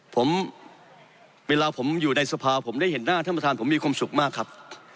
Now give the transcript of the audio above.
ผมเวลาผมอยู่ในสภาผมได้เห็นหน้าท่านประธานผมมีความสุขมากครับ